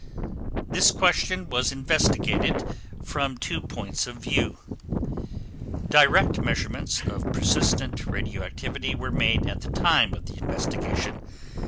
This question was investigated from two points of view. Direct measurements of persistent radioactivity were made at the time of the investigation.